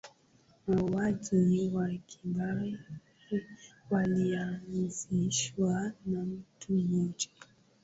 mauaji ya kimbari yalianzishwa na mtu mmoja